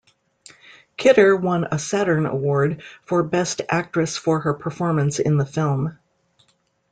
Kidder won a Saturn Award for best actress for her performance in the film.